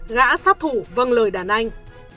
ngã sát thủ vâng lời đàn anh